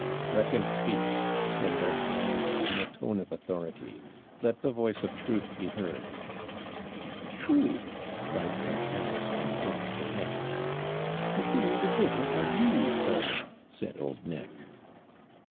'Let him speak,' said Lord Colambre, in a tone of authority; 'let the voice of truth be heard.' 'TRUTH!' cried St. Dennis, and dropped the pen. 'And who the devil are you, sir?' said old Nick.